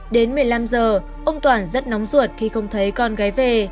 đến một mươi năm giờ ông toàn rất nóng ruột khi không thấy con gái về